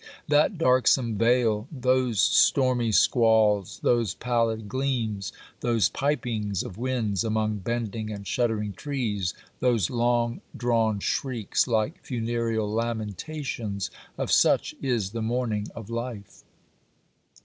That darksome veil, those stormy squalls, those pallid gleams, those pipings of winds among bending and shuddering trees, those long drawn shrieks like funereal lamentations — of such is the morning of life.